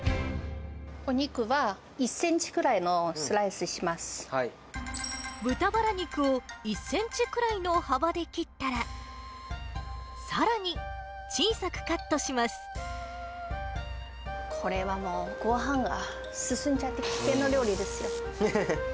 お肉は１センチくらいのスラ豚バラ肉を、１センチくらいの幅で切ったら、これはもう、ごはんが進んじゃって、危険な料理ですよ。